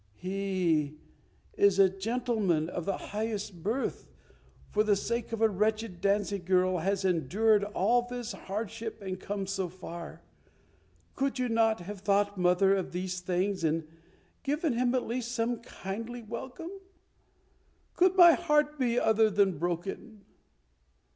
He, a gentleman of the highest birth, for the sake of a wretched dancing girl has endured all this hardship and come so far. Could you not have thought, mother, of these things and given him at least some kindly welcome? Could my heart be other than broken?"